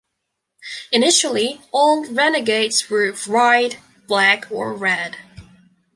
Initially, all Renegades were white, black, or red.